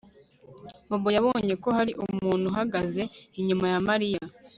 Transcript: Bobo yabonye ko hari umuntu uhagaze inyuma ya Mariya